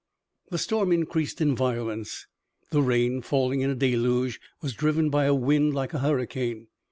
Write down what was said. The storm increased in violence. The rain, falling in a deluge, was driven by a wind like a hurricane.